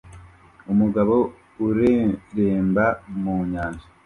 Umugabo ureremba mu nyanja